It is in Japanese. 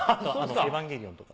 エヴァンゲリオンとか。